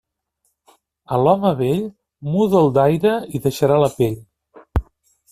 A l'home vell, muda'l d'aire i deixarà la pell.